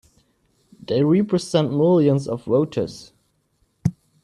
They represent millions of voters!